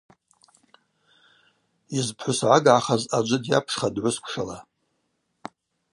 Йызпхӏвысгӏаггӏахаз аджвы дйапшхатӏ гӏвысквшала.